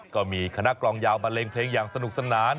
ก็มีคณะกลองยาวบันเลงเพลงอย่างสนุกสนาน